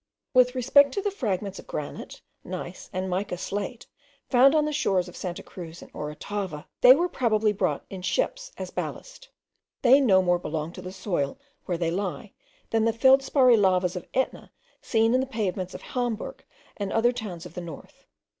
With respect to the fragments of granite, gneiss, and mica slate, found on the shores of Santa Cruz and Orotava, they were probably brought in ships as ballast. They no more belong to the soil where they lie, than the feldsparry lavas of Etna, seen in the pavements of Hamburg and other towns of the north.